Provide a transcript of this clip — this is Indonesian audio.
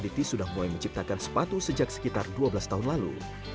diti sudah mulai menciptakan sepatu sejak sekitar dua belas tahun lalu